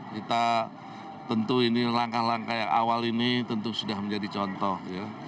kita tentu ini langkah langkah yang awal ini tentu sudah menjadi contoh ya